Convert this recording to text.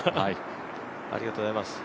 ありがとうございます。